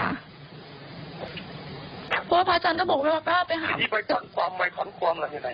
เพราะว่าพระอาจารย์ก็บอกว่าพระอาจารย์ไปหา